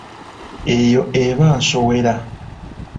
Eyo eba nsowera.